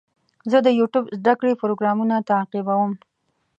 زه د یوټیوب زده کړې پروګرامونه تعقیبوم.